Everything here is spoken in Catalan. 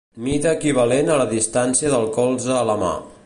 Mida equivalent a la distància del colze a la mà.